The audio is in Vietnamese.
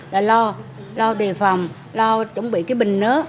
là lo lo đề phòng lo chuẩn bị cái bình